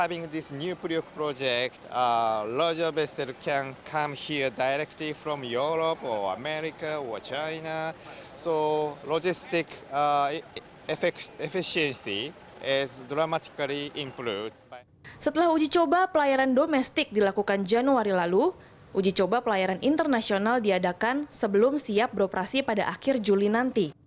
dengan proyek new priok pesawat besar bisa datang dari eropa atau amerika